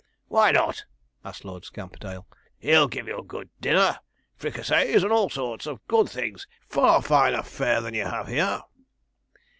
'Why not?' asked Lord Scamperdale; 'he'll give you a good dinner fricassees, and all sorts of good things; far finer fare than you have here.'